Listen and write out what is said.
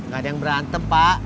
gak ada yang berantem pak